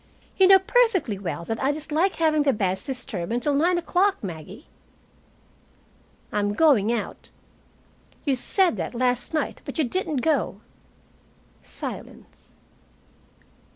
"You know perfectly well that I dislike having the beds disturbed until nine o'clock, Maggie." "I'm going out." "You said that last night, but you didn't go." Silence.